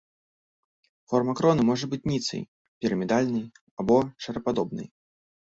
Форма кроны можа быць ніцай, пірамідальнай або шарападобнай.